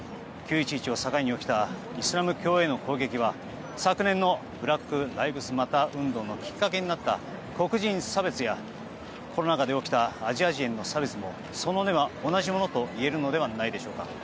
９・１１を境に起きたイスラム教への攻撃は昨年のブラック・ライブズ・マター運動のきっかけになった黒人差別やコロナ禍で起きたアジア人への差別もその根は同じといえるのではないでしょうか。